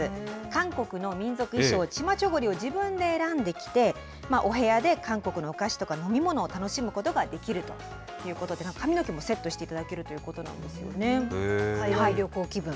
韓国の民族衣装、チマチョゴリを自分で選んで着て、お部屋で韓国のお菓子とか飲み物を楽しむことができるということで、髪の毛もセットしていただけるということ海外旅行気分。